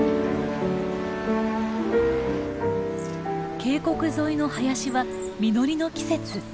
渓谷沿いの林は実りの季節。